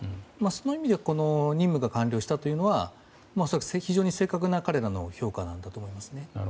その意味で任務が完了したというのは非常に正確な彼らの評価だと思います。